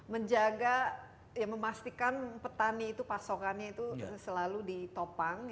menjaga ya memastikan petani itu pasokannya itu selalu ditopang